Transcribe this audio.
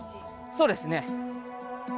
そうですね。